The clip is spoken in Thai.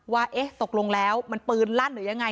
ว่าเอ๊ะตกลงแล้วมันปืนลั่นหรือยังไง